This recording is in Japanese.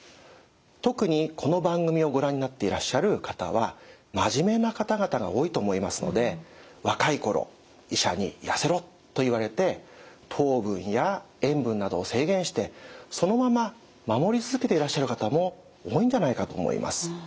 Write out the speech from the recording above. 特にこの番組をご覧になっていらっしゃる方は真面目な方々が多いと思いますので若い頃医者に「やせろ」と言われて糖分や塩分などを制限してそのまま守り続けていらっしゃる方も多いんじゃないかと思います。